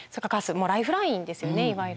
もうライフラインですよねいわゆるね。